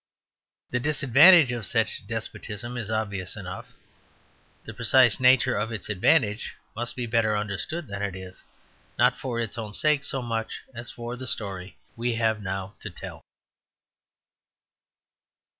The disadvantage of such despotism is obvious enough. The precise nature of its advantage must be better understood than it is, not for its own sake so much as for the story we have now to tell.